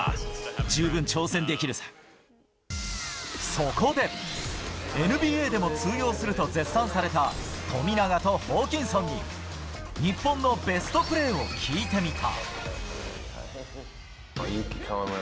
そこでＮＢＡでも通用すると絶賛された富永とホーキンソンに日本のベストプレーを聞いてみた。